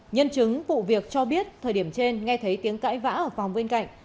nhân chứng vụ việc cho biết thời điểm trên nghe thấy tiếng cãi vã ở phòng bên cạnh